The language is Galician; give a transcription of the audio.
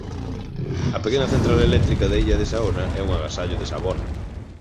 A pequena central eléctrica da illa de Saona é un agasallo de Savona.